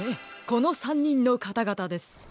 この３にんのかたがたです。